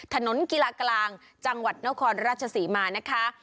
ถนนกีฬากลางจังหวัดนครราชศรีมานะคะ